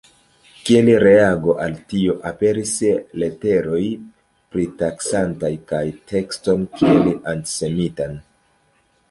Kiel reago al tio aperis leteroj pritaksantaj la tekston kiel antisemitan.